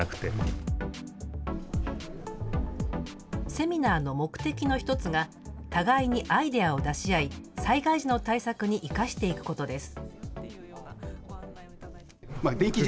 セミナーの目的の１つが互いにアイデアを出し合い災害時の対策に生かしていくことです。